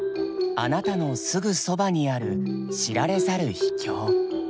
あなたのすぐそばにある知られざる秘境。